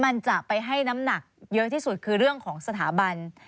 มันจะไปให้น้ำหนักเยอะที่สุดคือเรื่องของสถาบัน